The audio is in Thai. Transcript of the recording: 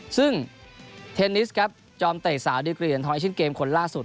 ซึ่งเทนนิสครับจอมเตะสาวดิกรีเหรียญทองเอเชียนเกมคนล่าสุด